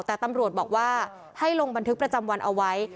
แต่ตำรวจบอกว่าให้ลงบันทึกประจำวันเอาไว้